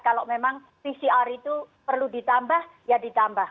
kalau memang pcr itu perlu ditambah ya ditambah